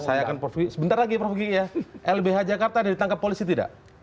oke saya akan perbuji sebentar lagi perbuji ya lbh jakarta ada ditangkap polisi tidak